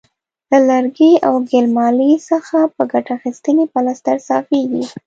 له لرګي او ګل مالې څخه په ګټه اخیستنې پلستر صافیږي.